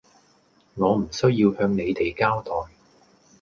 我唔需要向你哋交代